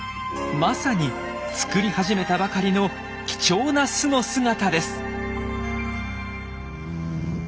まさに作り始めたばかりの貴重な巣の姿です。